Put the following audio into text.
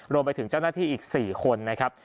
รวมไปถึงเจ้าหน้าที่อีก๔คนนะครับ